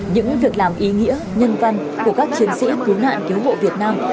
những việc làm ý nghĩa nhân văn của các chiến sĩ cứu nạn cứu hộ việt nam